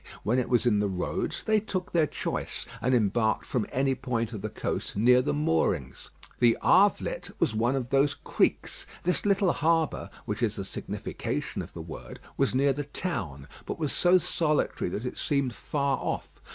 When it was in the roads they took their choice, and embarked from any point of the coast near the moorings. The "Havelet" was one of these creeks. This little harbour (which is the signification of the word) was near the town, but was so solitary that it seemed far off.